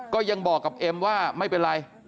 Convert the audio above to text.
ก็ยังบอกกับเอ็มว่าไม่เป็นไร